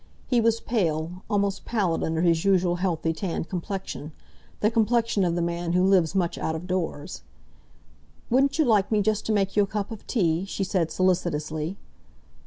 He was pale, almost pallid under his usual healthy, tanned complexion—the complexion of the man who lives much out of doors. "Wouldn't you like me just to make you a cup of tea?" she said solicitously.